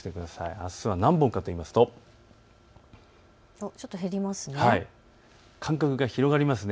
あすは何本かというとちょっと減りますね。